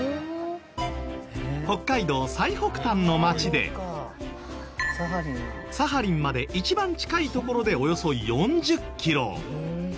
北海道最北端の街でサハリンまで一番近い所でおよそ４０キロ。